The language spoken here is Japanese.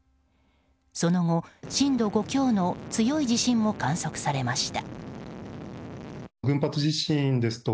その後、震度５強の強い地震も観測されました。